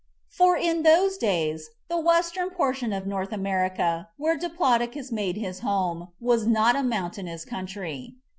For in those days the western portion of North America, where Diplodocus made his home, was not a mountainous country.